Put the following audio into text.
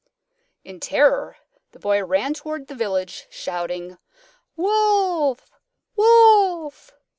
In terror the Boy ran toward the village shouting "Wolf! Wolf!"